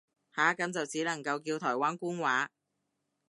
下，咁只能夠叫台灣官話